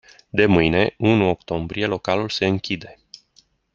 De mâine, unu octombrie, localul se închide.